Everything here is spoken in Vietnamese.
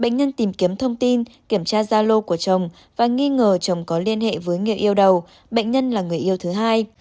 bệnh nhân tìm kiếm thông tin kiểm tra gia lô của chồng và nghi ngờ chồng có liên hệ với nghề yêu đầu bệnh nhân là người yêu thứ hai